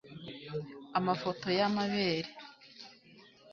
amafoto y'amabere